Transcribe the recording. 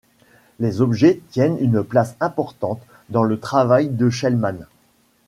Les objets tiennent une place importante dans le travail de Chelman.